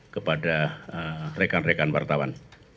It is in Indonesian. kepada rekan rekan wartawan